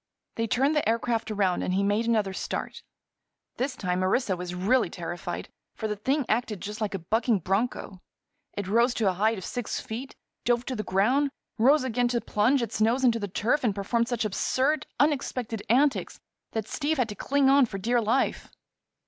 They turned the aircraft around and he made another start. This time Orissa was really terrified, for the thing acted just like a bucking broncho. It rose to a height of six feet, dove to the ground, rose again to plunge its nose into the turf and performed such absurd, unexpected antics that Steve had to cling on for dear life.